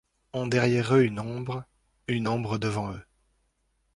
Ont derrière eux une ombre, une ombre devant eux ;